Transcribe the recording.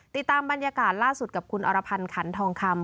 ติดตามบรรยากาศล่าสุดกับคุณอรพันธ์ขันทองคำ